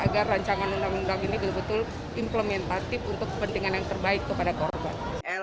agar rancangan undang undang ini betul betul implementatif untuk kepentingan yang terbaik kepada korban